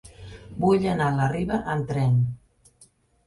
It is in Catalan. Vull anar a la Riba amb tren.